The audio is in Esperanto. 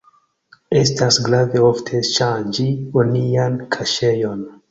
Estas grave ofte ŝanĝi onian kaŝejon.